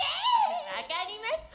分かりました。